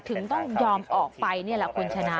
ถึงต้องยอมออกไปนี่แหละคุณชนะ